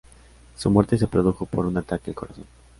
Su muerte se produjo por un ataque al corazón.